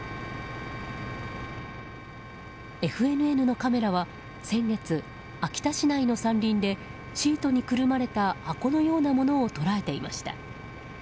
ＦＮＮのカメラは先月、秋田市内の山林でシートにくるまれた箱のようなものを捉えていました。